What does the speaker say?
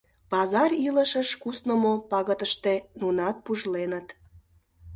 Пазар илышыш куснымо пагытыште нунат пужленыт.